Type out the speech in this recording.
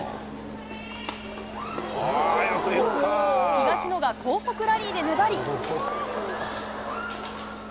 東野が高速ラリーで粘り。